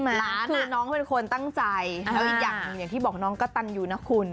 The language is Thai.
หลานคือน้องเป็นคนตั้งใจแล้วอีกอย่างหนึ่งอย่างที่บอกน้องกระตันอยู่นะคุณ